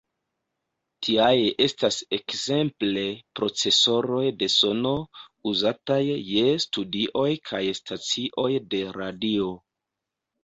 Tiaj estas ekzemple procesoroj de sono, uzataj je studioj kaj stacioj de radio.